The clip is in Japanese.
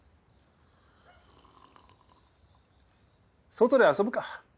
外で遊ぶか。